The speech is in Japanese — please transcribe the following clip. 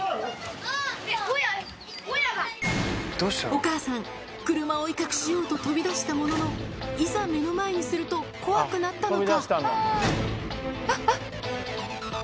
お母さん、車を威嚇しようと飛び出したものの、いざ目の前にすると、怖くなったのか。